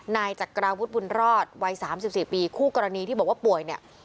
นายจักราวุฒิบุญรอดวัย๓๔ปีคู่กรณีที่บอกว่าป่วยเนี่ย